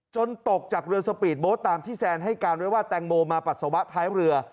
ตกจากเรือสปีดโบ๊ทตามที่แซนให้การไว้ว่าแตงโมมาปัสสาวะท้ายเรือ